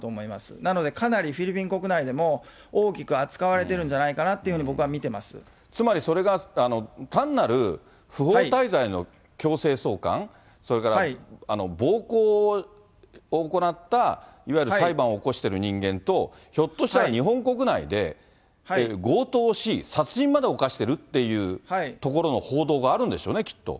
なので、かなりフィリピン国内でも大きく扱われているんじゃないかなってつまり、それが単なる不法滞在の強制送還、それから暴行を行った、いわゆる裁判を起こしてる人間と、ひょっとしたら日本国内で強盗をし、殺人まで犯してるっていうところの報道があるんですよね、きっと。